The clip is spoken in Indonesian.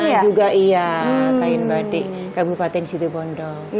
ini juga iya kain batik kabupaten situbondo